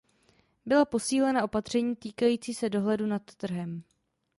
Byla posílena opatření týkající se dohledu nad trhem.